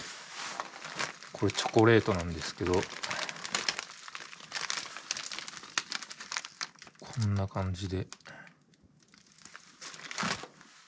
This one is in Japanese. これチョコレートなんですけどこんな感じで。